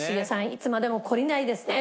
いつまでも懲りないですね。